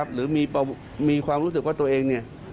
หรือมีความรู้สึกว่าตัวเองเนี่ย